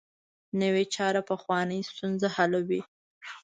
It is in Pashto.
نوې چاره پخوانۍ ستونزه حلوي